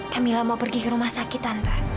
kak mila mau pergi ke rumah sakit tante